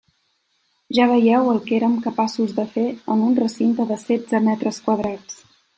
Ja veieu el que érem capaços de fer en un recinte de setze metres quadrats.